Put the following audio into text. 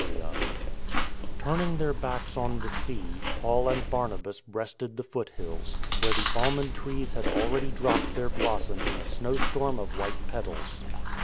FROM LOWLAND TO HIGHLAND 131 Turning their backs on the sea, Paul and Barnabas breasted the foot hills, where the almond trees had al ready dropped their blossom in a snowstorm of white petals.